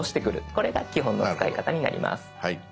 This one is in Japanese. これが基本の使い方になります。